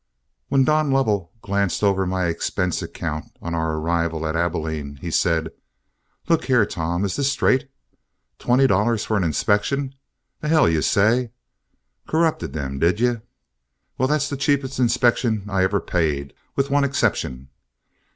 When Don Lovell glanced over my expense account on our arrival at Abilene, he said: "Look here, Tom, is this straight? twenty dollars for inspection? the hell you say! Corrupted them, did you? Well, that's the cheapest inspection I ever paid, with one exception.